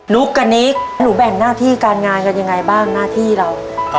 ุ๊กกับนิกหนูแบ่งหน้าที่การงานกันยังไงบ้างหน้าที่เรา